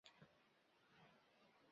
帕斯夸尔在场上司职左后卫。